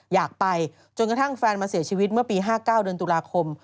อยากไปจนกระทั่งแฟนมาเสียชีวิตเมื่อปี๕๙เดือนตุลาคม